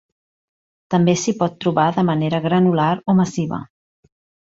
També s'hi pot trobar de manera granular o massiva.